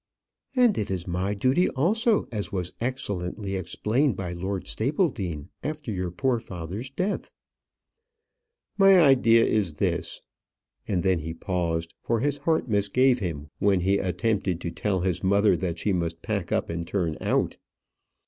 "And it is my duty also, as was excellently explained by Lord Stapledean after your poor father's death." "My idea is this " and then he paused, for his heart misgave him when he attempted to tell his mother that she must pack up and turn out.